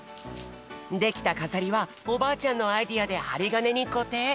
できたかざりはおばあちゃんのアイデアではりがねにこてい。